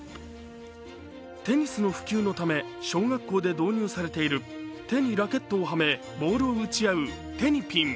テニスの普及のため小学校で導入されている手にラケットをはめボールを打ち合うテニピン。